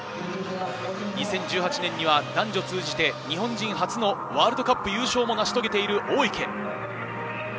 ２０１８年には男女通じて日本人初のワールドカップ優勝も成し遂げている大池。